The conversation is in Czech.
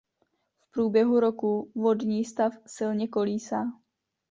V průběhu roku vodní stav silně kolísá.